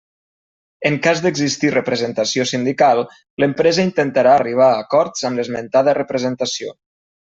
En cas d'existir representació sindical, l'empresa intentarà arribar a acords amb l'esmentada representació.